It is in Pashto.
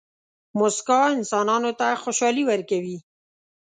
موسکا انسانانو ته خوشحالي ورکوي.